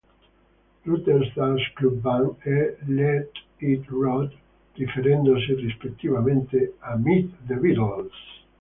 Rutter's Darts Club Band" e "Let It Rot", riferendosi rispettivamente a: "Meet the Beatles!